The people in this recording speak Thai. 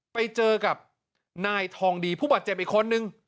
ไปเจอกับนายทองดีผู้บาดเจ็บอีกคนนึง